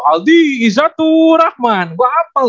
aldi izatur rahman gue apa lu